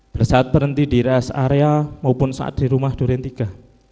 bersaat berhenti di rest area maupun saat di rumah duren tiga